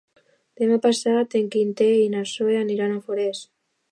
Demà passat en Quintí i na Zoè aniran a Forès.